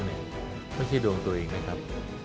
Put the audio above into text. ไม่ใช่มาดูดดูงตัวเองนะครับ